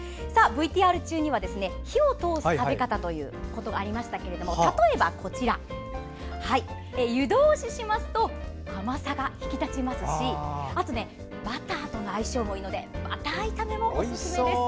ＶＴＲ中には火を通す食べ方がありましたが例えば、湯通ししますと甘さが引き立ちますしバターとの相性もいいのでバター炒めもおすすめです。